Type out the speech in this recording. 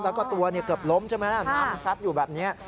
แล้วก็ตัวเกือบล้มใช่ไหมล่ะน้ำซัดอยู่แบบนี้